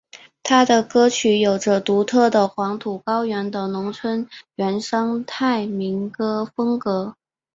他的歌曲有着独特的黄土高原的农村原生态民歌风格。